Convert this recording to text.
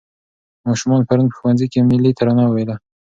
ماشومانو پرون په ښوونځي کې ملي ترانه وویله.